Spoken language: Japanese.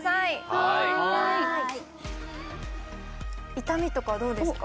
はい痛みとかどうですか？